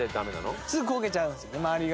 すぐ焦げちゃうんですよね周りが。